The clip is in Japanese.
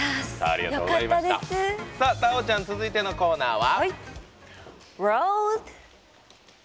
太鳳ちゃん続いてのコーナーは？